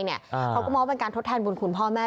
เขาก็มองว่าเป็นการทดแทนบุญคุณพ่อแม่